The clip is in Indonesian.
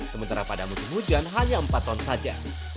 sementara pada musim hujan hanya empat ton saja